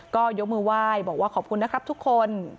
ก็ยกมือไหว้บอกว่าขอบคุณทุกคน